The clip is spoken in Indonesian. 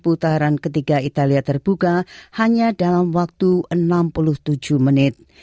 putaran ketiga italia terbuka hanya dalam waktu enam puluh tujuh menit